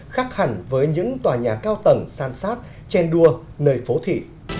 khác hẳn với những tòa nhà cao tầng san sát chen đua nơi phố thị